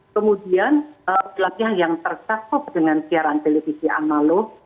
kemudian setelahnya yang tersatu dengan siaran televisi analog